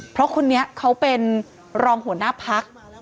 เพราะคนนี้เขาเป็นรองหัวหน้าพัก